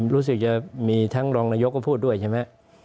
รู้สึกจะมีทั้งรองนายกก็พูดด้วยใช่ไหม